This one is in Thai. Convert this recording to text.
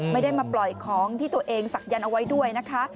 ไม่ได้มาปล่อยของที่ตัวเองศักยันต์เอาไว้ด้วยนะคะ